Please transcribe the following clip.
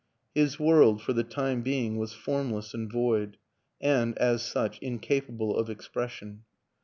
His world, for the time being, was form less and void, and, as such, incapable of expres sion.